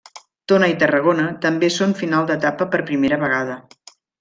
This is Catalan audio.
Tona i Tarragona també són final d'etapa per primera vegada.